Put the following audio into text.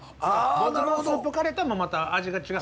僕のスープカレーとはまた味が違う。